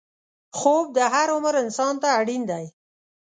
خوب د هر عمر انسان ته اړین دی